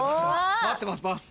待ってますパス。